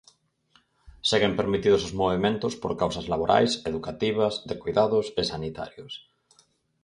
Seguen permitidos os movementos por causas laborais, educativas, de coidados e sanitarios.